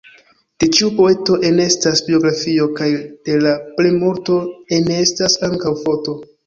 De ĉiu poeto enestas biografio, kaj de la plimulto enestas ankaŭ foto.